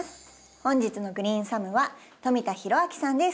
本日の「グリーンサム」は富田裕明さんです。